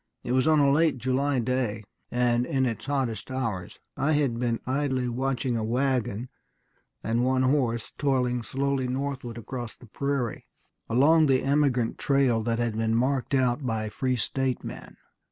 "It was on a late July day, and in its hottest hours. I had been idly watching a wagon and one horse toiling slowly northward across the prairie, along the emigrant trail that had been marked out by free state men....